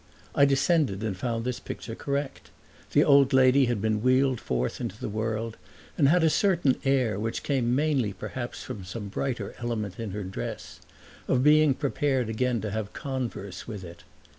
I descended and found this picture correct; the old lady had been wheeled forth into the world and had a certain air, which came mainly perhaps from some brighter element in her dress, of being prepared again to have converse with it.